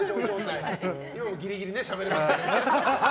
ギリギリしゃべれましたね。